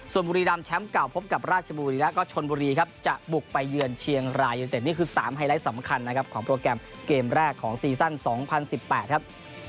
ส่วนบุรีรำแชมป์เก่าพบกับราชบุรีแล้วก็ชนบุรีครับจะบุกไปเยือนเชียงรายยูเต็ดนี่คือ๓ไฮไลท์สำคัญนะครับของโปรแกรมเกมแรกของซีซั่น๒๐๑๘ครับ